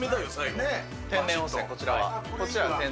天然温泉、こちらは。